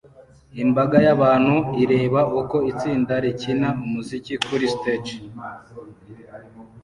Imbaga y'abantu ireba uko itsinda rikina umuziki kuri stage